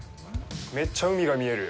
めっちゃ海が見える。